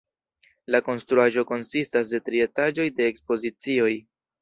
La konstruaĵo konsistas de tri etaĝoj de ekspozicioj.